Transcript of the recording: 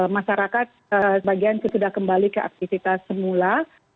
masyarakat sebagian sudah kembali ke aktivitas semula